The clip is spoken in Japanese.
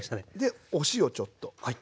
でお塩ちょっと。